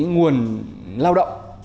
đối với nguồn lao động mới có chi phí thấp